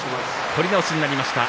取り直しとなりました。